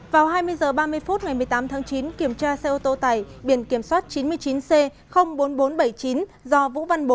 vào hai mươi h ba mươi phút ngày một mươi tám tháng chín kiểm tra xe ô tô tải biển kiểm soát chín mươi chín c bốn nghìn bốn trăm bảy mươi chín do vũ văn bốn